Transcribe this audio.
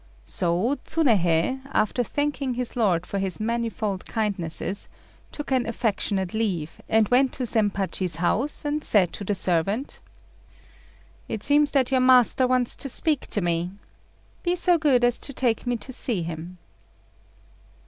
So Tsunéhei, after thanking his lord for his manifold kindnesses, took an affectionate leave, and went to Zempachi's house, and said to the servant "It seems that your master wants to speak to me. Be so good as to take me to see him."